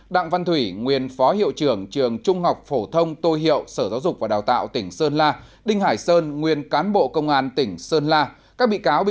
đặng văn thủy nguyên phó hiệu trưởng trường trung học phổ thông tô hiệu sở giáo dục và đào tạo tỉnh sơn la